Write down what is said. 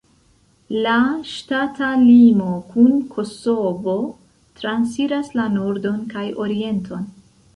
La ŝtata limo kun Kosovo transiras la nordon kaj orienton.